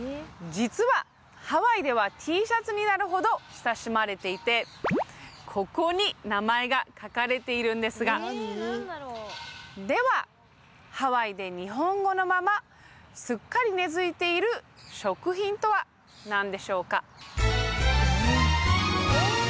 実はハワイではＴシャツになるほど親しまれていてここに名前が書かれているんですがではハワイで日本語のまますっかり根づいている食品とは何でしょうか？